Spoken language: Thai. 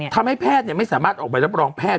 ทำให้แพทย์ไม่สามารถออกใบรับรองแพทย์